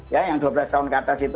ya yang dua belas tahun ke atas itu